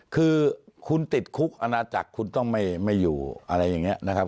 คือคุณติดคุกอาณาจักรคุณต้องไม่อยู่อะไรอย่างนี้นะครับ